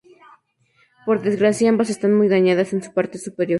Por desgracia, ambas están muy dañadas en su parte superior.